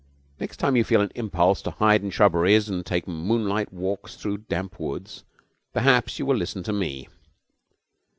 Next time you feel an impulse to hide in shrubberies and take moonlight walks through damp woods, perhaps you will listen to me.'